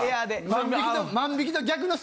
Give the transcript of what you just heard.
万引きの。